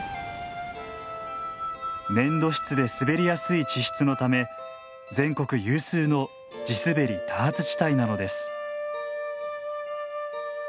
粘土質で滑りやすい地質のため全国有数の地滑り多発地帯なのです。